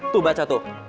tuh baca tuh